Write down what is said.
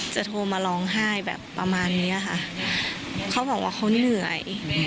โทรมาร้องไห้แบบประมาณนี้ค่ะเขาบอกว่าเขาเหนื่อย